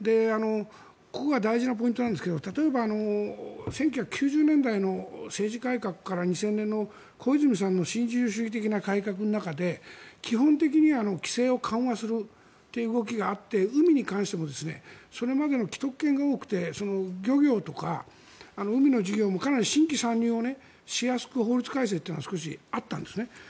ここが大事なポイントなんですが例えば１９９０年代の政治改革から２０００年の小泉さんの新自由主義的な改革の中で基本的には規制を緩和するという動きがあって海に関してもそれまでの既得権が多くて漁業とか海の事業とかもかなり新規参入をしやすくする法律改正は少しあったんです。